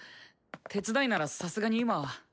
手伝いならさすがに今は。